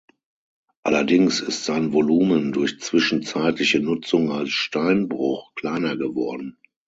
Allerdings ist sein Volumen durch zwischenzeitliche Nutzung als Steinbruch kleiner geworden.